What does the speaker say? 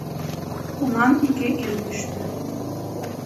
Унан ике ир төштө.